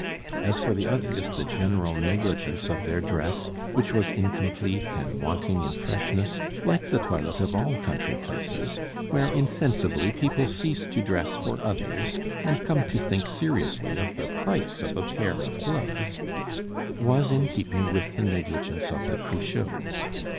As for the others, the general negligence of their dress, which was incomplete and wanting in freshness, like the toilet of all country places, where insensibly people cease to dress for others and come to think seriously of the price of a pair of gloves, was in keeping with the negligence of the Cruchots.